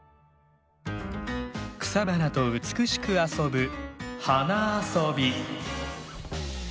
草花と美しく遊ぶ「花遊美」